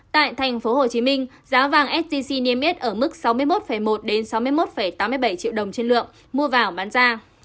tại tp hcm giá vàng sgc niêm yết ở mức sáu mươi một một sáu mươi một tám mươi bảy triệu đồng trên lượng mua vào bán ra